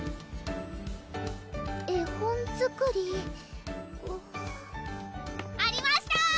絵本作りありました！